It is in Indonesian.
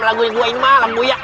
lagunya gue ini malem bu ya